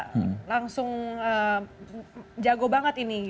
kalau misalnya kita langsung jago banget ini